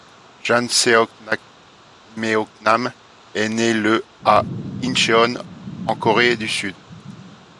Jang Seok-nameoknam est né le à Incheon en Corée du Sud.